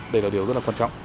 đây là điều rất là quan trọng